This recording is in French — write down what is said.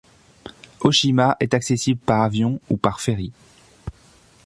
Ōshima est accessible par avion ou par ferry.